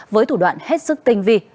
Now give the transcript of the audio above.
với thủ đoạn hết sức tinh vi